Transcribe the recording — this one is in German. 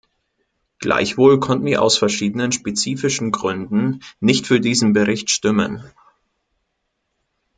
Gleichwohl konnten wir aus verschiedenen spezifischen Gründen nicht für diesen Bericht stimmen.